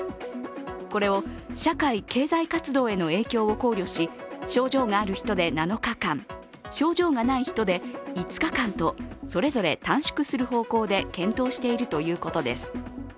これを社会経済活動への影響を考慮し、症状がある人が７日間、症状がない人で５日間とそれぞれ短縮する方向で検討しているということです。